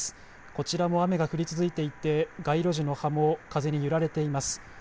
こちらも雨が降り続いていて街路樹の葉も風に揺られています。